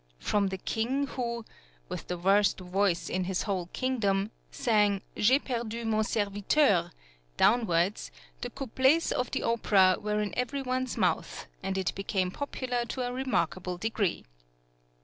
From the King, who, "with the worst voice in his whole kingdom," sang "J'ai perdu mon serviteur," downwards, the couplets of the operetta were in every one's mouth, and it became popular to a remarkable degree.